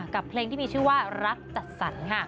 กับเพลงที่มีชื่อว่ารักจัดสรรค่ะ